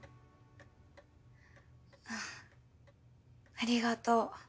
ありがとう。